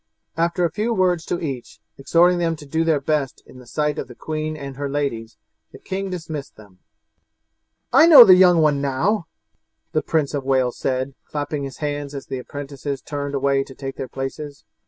After a few words to each, exhorting them to do their best in the sight of the queen and her ladies, the king dismissed them. "I know the young one now!" the Prince of Wales said, clapping his hands as the apprentices turned away to take their places.